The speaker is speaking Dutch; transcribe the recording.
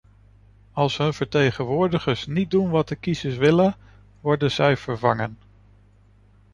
Als hun vertegenwoordigers niet doen wat de kiezers willen, worden zij vervangen.